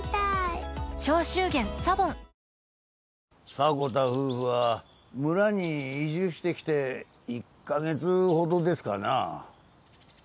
迫田夫婦は村に移住してきて１カ月ほどですかな。